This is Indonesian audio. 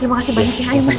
oke terima kasih banyak ya mas